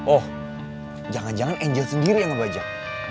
oh jangan jangan angel sendiri yang ngebajak